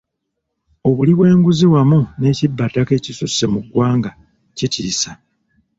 Obuli bw'enguzi wamu n'ekibbattaka ekisusse mu ggwanga kitissa.